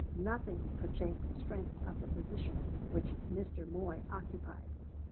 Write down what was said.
Nothing could shake the strength of the position which Mr. Moy occupied.